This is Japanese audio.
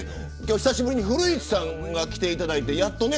久しぶりに古市さんに来ていただいて。